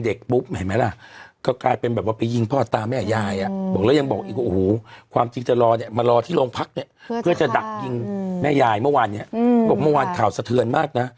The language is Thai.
เมื่อวานเนี่ยบอกว่าเมื่อวานข่าวสะเทือนมากนะ